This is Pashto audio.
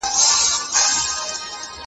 ناسا د دې اجرامو د څارنې ماموریت لري.